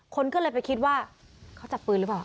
คนก็เลยไปคิดว่าเขาจับปืนหรือเปล่า